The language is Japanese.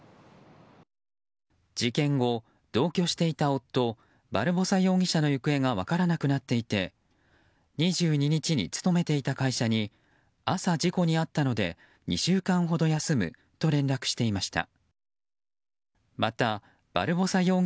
事件後、同居していた夫バルボサ容疑者の行方が分からなくなっていて２２日に勤めていた会社に朝、事故に遭ったので２週間ほど休むと連絡していました。